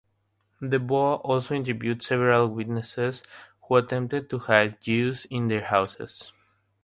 Desbois also interviewed several witnesses who attempted to hide Jews in their houses.